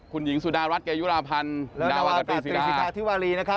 คุณหญิงสุดารัฐเกยุราพันธ์นวัตถีศิษฐาทิวารีนะครับ